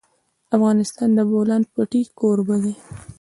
افغانستان د د بولان پټي کوربه دی.